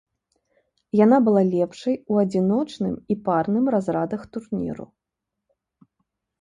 Яна была лепшай у адзіночным і парным разрадах турніру.